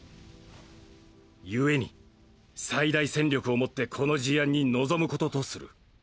故に最大戦力をもってこの事案に臨むこととする。